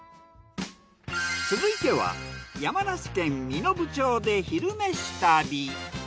続いては山梨県身延町で「昼めし旅」。